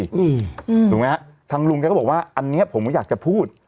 ถูกไหมฮะทางลุงแกก็บอกว่าอันเนี้ยผมอยากจะพูด